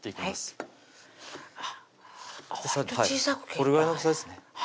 これぐらいの大きさですね